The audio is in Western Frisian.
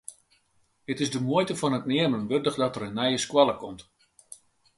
It is de muoite fan it neamen wurdich dat der in nije skoalle komt.